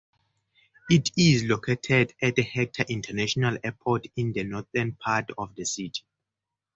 It is located at Hector International Airport in the northern part of the city.